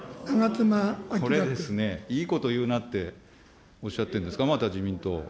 これですね、いいこと言うなっておっしゃってるんですか、また自民党。